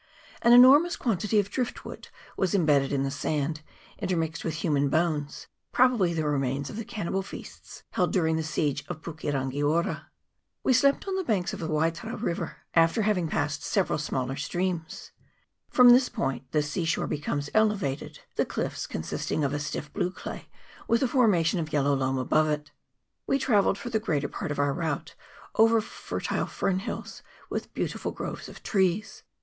An enormous quantity of drift wood was imbedded in the sand, intermixed with human bones, probably the remains of the cannibal feasts held during the siege of Puke rangi ora. We slept on the banks of the Waitara river, after having passed several smaller streams. CHAP. VIII.] INTERVIEW WITH NATIVES. 167 From this point the sea shore becomes elevated ; the cliffs consisting of a stiff blue clay, with a formation of yellow loam above it. We travelled, for the greater part of our route, over fertile fern hills, with beautiful groves of trees.